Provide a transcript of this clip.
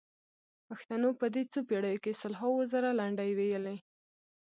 پښتنو په دې څو پېړیو کې سلهاوو زره لنډۍ ویلي.